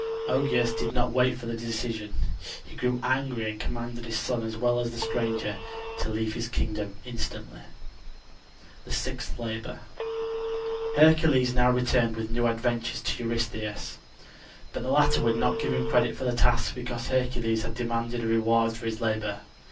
Augeas did not wait for the decision; he grew angry and commanded his son as well as the stranger to leave his kingdom instantly. THE SIXTH LABOR Hercules now returned with new adventures to Eurystheus; but the latter would not give him credit for the task because Hercules had demanded a reward for his labor.